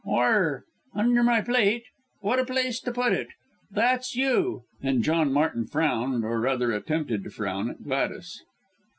"Where? Under my plate! what a place to put it. That's you," and John Martin frowned, or rather, attempted to frown, at Gladys.